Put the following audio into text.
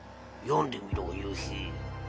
読んでみろ夕日。